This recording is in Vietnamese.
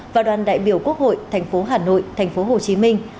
và đoàn đại biểu quốc hội tp hà nội tp hồ chí minh